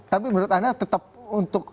tapi menurut anda tetap untuk